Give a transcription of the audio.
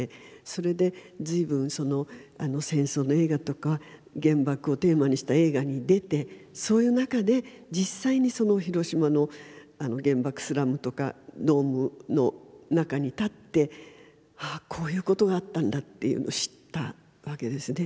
それでずいぶん戦争の映画とか原爆をテーマにした映画に出てそういう中で実際にその広島の原爆スラムとかドームの中に立ってああこういうことがあったんだっていうのを知ったわけですね。